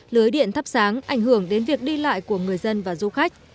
lưới điện thắp sáng ảnh hưởng đến việc đi lại của người dân và du khách